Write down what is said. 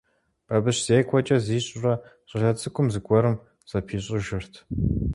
Бабыщ зекӀуэкӀэ зищӀурэ щӀалэ цӀыкӀум зыгуэрым зыпищӀыжырт.